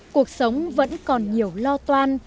cuộc sống vẫn còn nhiều lo toan